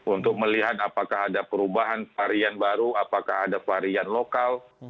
untuk melihat apakah ada perubahan varian baru apakah ada varian lokal